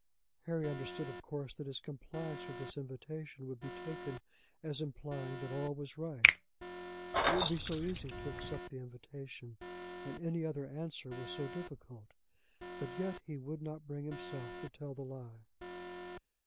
Harry understood of course that his compliance with this invitation would be taken as implying that all was right. It would be so easy to accept the invitation, and any other answer was so difficult! But yet he would not bring himself to tell the lie.